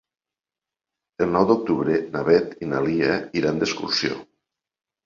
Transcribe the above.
El nou d'octubre na Beth i na Lia iran d'excursió.